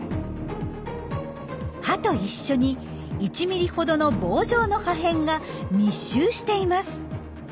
歯と一緒に１ｍｍほどの棒状の破片が密集しています。